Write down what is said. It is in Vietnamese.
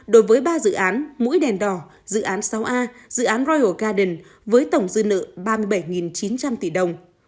đối với ba dự án mũi đèn đỏ dự án sáu a dự án royal garden với tổng dư nợ ba mươi bảy chín trăm linh tỷ đồng